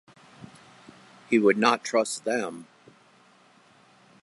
He would not trust them.